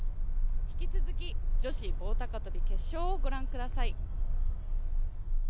引き続き女子棒高跳決勝をご覧ください。